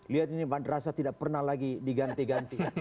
lihat ini madrasah tidak pernah lagi diganti ganti